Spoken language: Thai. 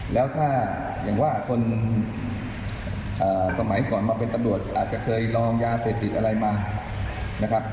แล้วถ้าอย่างว่าคนสมัยก่อนมาเป็นตำรวจอาจจะเคยลองยาเสพติดอะไรมานะครับ